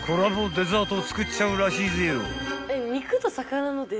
デザートを作っちゃうらしいぜよ］